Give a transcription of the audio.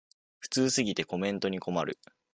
普通すぎてコメントに困る